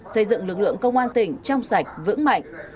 xây dựng lực lượng công an tỉnh trong sạch vững mạnh